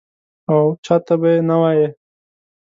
او چا ته به یې نه وایې.